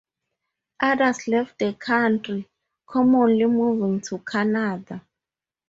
Others left the country, commonly moving to Canada.